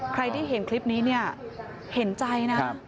ใครที่เห็นคลิปนี้เนี่ยเห็นใจนะ